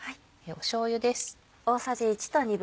しょうゆです。